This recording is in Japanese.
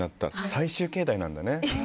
最終形態なんだね。